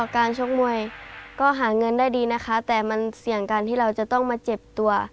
ชกมวยก็หาเงินได้ดีนะคะแต่มันเสี่ยงการที่เราจะต้องมาเจ็บตัว